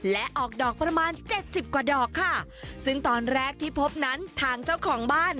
และออกดอกประมาณเจ็ดสิบกว่าดอกค่ะซึ่งตอนแรกที่พบนั้นทางเจ้าของบ้าน